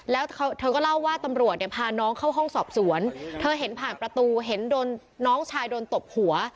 แล้วเธอก็เล่าว่าตำรวจเนี่ยพาน้องเข้าห้องสอบสวนเธอเห็นผ่านประตูเห็นโดนน้องชายโดนตบหัว